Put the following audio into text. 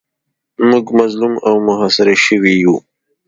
موږ مظلوم او محاصره شوي یو.